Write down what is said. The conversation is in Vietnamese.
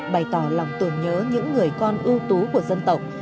bày tỏ lòng tưởng nhớ những người con ưu tú của dân tộc